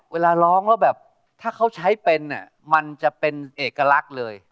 เวลาร้องแล้วแบบถ้าเขาใช้เป็นมันจะเป็นเอกลักษณ์เลย